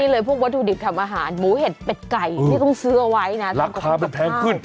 เลยพวกวัตถุดิบทำอาหารหมูเห็ดเป็ดไก่ที่ต้องซื้อเอาไว้นะราคามันแพงขึ้น